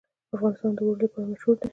افغانستان د اوړي لپاره مشهور دی.